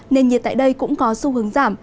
nền nhiệt tại đây cũng có xu hướng giảm